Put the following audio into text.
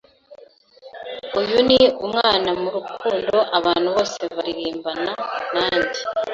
Uyu ni umwana murukundo abantu bose baririmbana nanjye